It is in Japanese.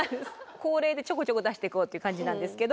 恒例でちょこちょこ出していこうっていう感じなんですけど。